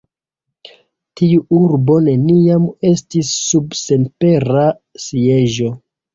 Tiu urbo neniam estis sub senpera sieĝo.